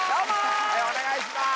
お願いします！